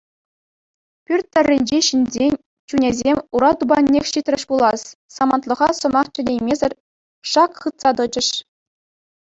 Пӳрт тӑрринчи ҫынсен чунӗсем ура тупаннех ҫитрӗҫ пулас, самантлӑха сӑмах чӗнеймесӗр шак хытса тӑчӗҫ.